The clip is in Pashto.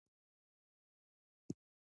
هرات د افغانستان د اقلیم ځانګړتیا ده.